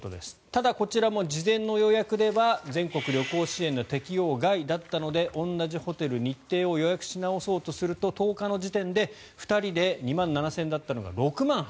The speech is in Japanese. ただこちらも事前の予約では全国旅行支援の適用外だったので同じホテル・日程を予約し直そうとすると１０日の時点で２人で２万７０００円だったのが６万８０００円。